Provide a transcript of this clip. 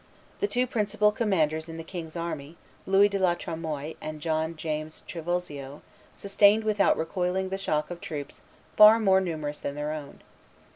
The two principal commanders in the king's army, Louis de la Tremoille and John James Trivulzio, sustained without recoiling the shock of troops far more numerous than their own.